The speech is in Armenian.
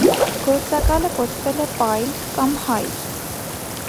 Գործակալը կոչվել է «պայլ» կամ «հայր»։